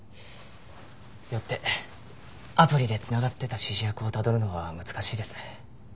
よってアプリで繋がってた指示役をたどるのは難しいです。